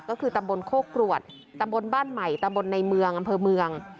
ก็คือตำบลโคกรวดตำบลบ้านใหม่ตำบลในเมืองอำเภอเมือง